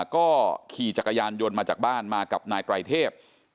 ก็ขี่จักรยานยนต์มาจากบ้านมากับนายไตรเทพ